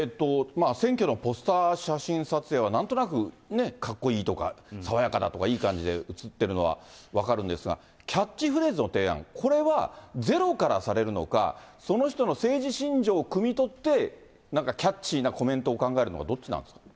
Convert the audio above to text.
選挙のポスター写真撮影は、なんとなくね、かっこいいとか、爽やかだとか、いい感じで写ってるのは、分かるんですが、キャッチフレーズの提案、これはゼロからされるのか、その人の政治信条をくみ取って、なんかキャッチーなコメントを考えるのか、どっちなんですか。